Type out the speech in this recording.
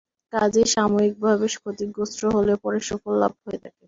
কাজেই সাময়িকভাবে ক্ষতিগ্রস্ত হলেও পরে সুফল লাভ হয়ে থাকে।